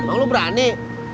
emang lo berani